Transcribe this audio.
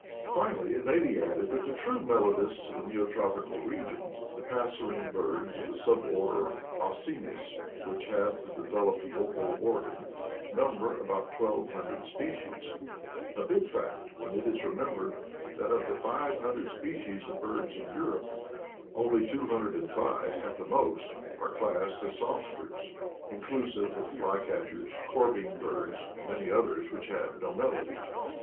Finally, it may be added that the true melodists of the Neotropical region — the passerine birds of BIED MUSIC IN SOUTH AMERICA 151 the sub order Oscines, which have the developed vocal organ — number about twelve hundred spe cies: — a big fact when it is remembered that of the five hundred species of birds in Europe, only two hundred and five at the most are classed as songsters, inclusive of fly catchers, corvine birds and many others which have no melody.